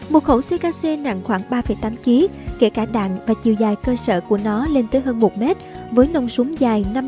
một khẩu ckc nặng khoảng ba tám kg kể cả đạn và chiều dài cơ sở của nó lên tới một năm kg